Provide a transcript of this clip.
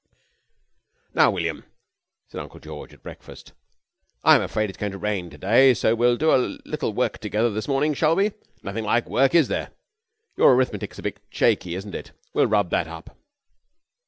"Now, William," said Uncle George at breakfast, "I'm afraid it's going to rain to day, so we'll do a little work together this morning, shall we? Nothing like work, is there? Your Arithmetic's a bit shaky, isn't it? We'll rub that up.